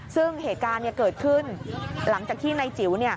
ซึ่งเหตุการณ์เกิดขึ้นหลังจากที่นายจิ๋ว